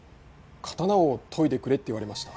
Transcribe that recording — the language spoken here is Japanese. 刀を研いでくれって言われました。